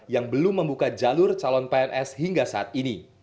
yang belum membuka jalur calon pns hingga saat ini